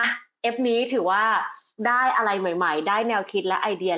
เอฟนี้ถือว่าได้อะไรใหม่ได้แนวคิดและไอเดีย